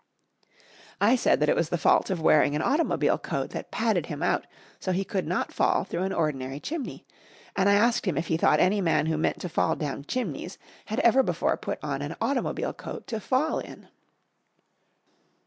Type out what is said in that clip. I said that was the fault of wearing an automobile coat that padded him out so he could not fall through an ordinary chimney, and I asked him if he thought any man who meant to fall down chimneys had ever before put on an automobile coat to fall in.